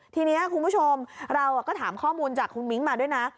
ทีนี้คุณผู้ชมเราก็ถามข้อมูลจากคุณมิ้งมาด้วยนะ